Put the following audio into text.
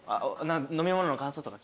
飲み物の感想とか。